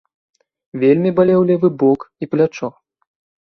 Вельмі балеў левы бок і плячо.